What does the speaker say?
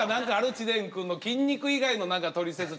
知念くんの筋肉以外のトリセツ。